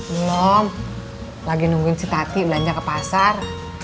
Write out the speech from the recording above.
belum lagi nungguin si tati belanja ke pasar